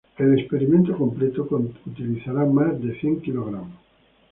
El experimento completo utilizará más de cien kg.